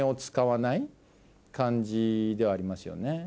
感じではありますよね。